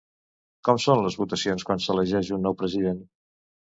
Com són les votacions quan s'elegeix un nou president?